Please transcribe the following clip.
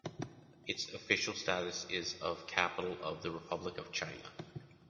Its official status is of capital of the Republic of China.